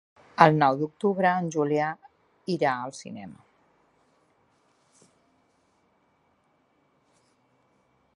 El nou d'octubre en Julià irà al cinema.